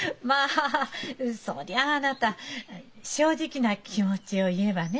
そりゃああなた正直な気持ちを言えばね